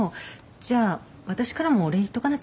じゃあ私からもお礼言っとかなきゃね。